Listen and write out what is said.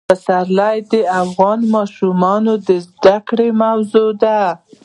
پسرلی د افغان ماشومانو د زده کړې موضوع ده.